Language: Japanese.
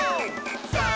「さあ！